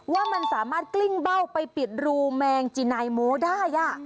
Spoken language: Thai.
ว่ามันสามารถกลิ้งเบ้าไปปิดรูแมงจินายโมได้